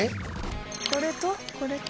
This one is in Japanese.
これとこれと。